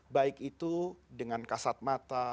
baik itu dengan kasat mata